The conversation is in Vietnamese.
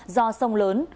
do sông lớn